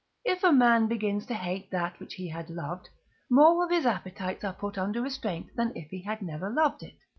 If a man begins to hate that which he had loved, more of his appetites are put under restraint than if he had never loved it.